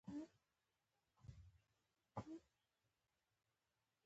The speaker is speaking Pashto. مایکروبیولوژیکي خطرات په ټولو غذایي خطرونو کې لومړی ځای لري.